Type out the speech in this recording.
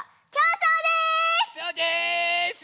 そうです！